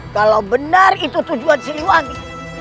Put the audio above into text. kalau benar itu tujuan siliwangi